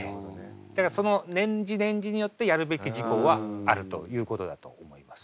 だからその年次年次によってやるべき事項はあるということだと思います。